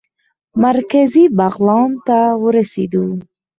مرکزي بغلان ته ورسېدو.